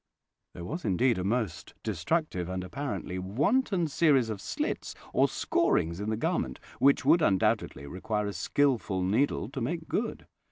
There was indeed a most destructive and apparently wanton series of slits or scorings in the garment, which would undoubtedly require a skilful needle to make good.